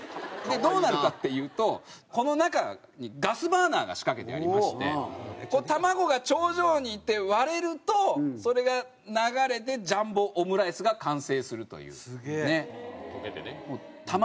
どうなるかっていうとこの中にガスバーナーが仕掛けてありまして卵が頂上に行って割れるとそれが流れてジャンボオムライスが完成するというね。